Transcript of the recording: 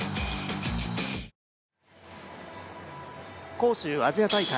杭州アジア大会。